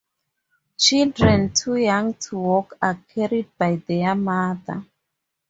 Children too young to walk are carried by their mother.